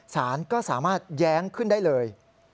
สารก็สามารถแย้งขึ้นได้เลย